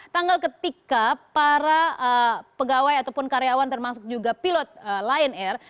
tanggal ketika para pegawai ataupun karyawan termasuk juga pilot lion air